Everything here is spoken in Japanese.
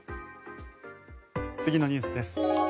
次のニュースです。